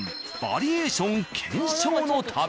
バリエーション検証の旅。